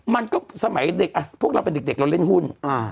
มันก็สมัยเด็กพวกเราเป็นเด็กเราเล่นหุ้น